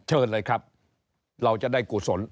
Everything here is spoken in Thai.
เชิญเลยครับเราจะได้กุศล